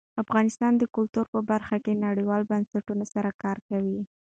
افغانستان د کلتور په برخه کې نړیوالو بنسټونو سره کار کوي.